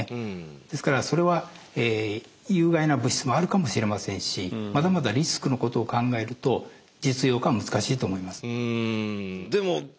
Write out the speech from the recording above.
ですからそれは有害な物質もあるかもしれませんしまだまだリスクのことを考えると実用化は難しいと思います。